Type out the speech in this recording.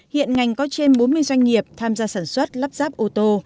hiện ngành có trên bốn mươi doanh nghiệp tham gia sản xuất lắp ráp ô tô